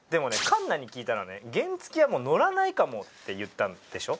カンナに聞いたらね「原付きはもう乗らないかも」って言ったんでしょ？